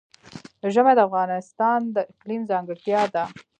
ژمی د افغانستان د اقلیم ځانګړتیا ده.